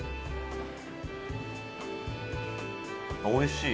おいしい。